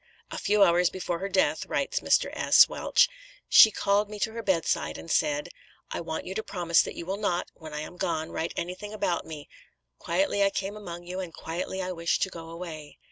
"A few hours before her death," writes Mr. S. Welsh "she called me to her bedside and said, 'I want you to promise that you will not, when I am gone, write anything about me; quietly I came among you and, quietly I wish to go away.'"